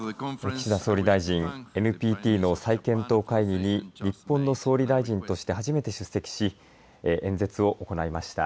岸田総理大臣ＮＰＴの再検討会議に日本の総理大臣として初めて出席し演説を行いました。